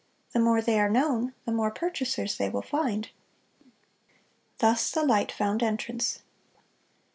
The more they are known, the more purchasers they will find."(253) Thus the light found entrance.